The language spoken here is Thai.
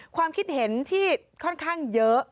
ความคิดเห็นที่ค่อนข้างเยอะ